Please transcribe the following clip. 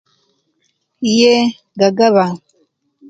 Iyee gagaba